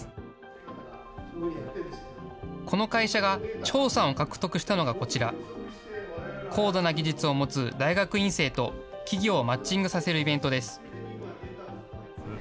この会社が張さんを獲得したのがこちら、高度な技術を持つ大学院生と企業をマッチングさせるイベントです。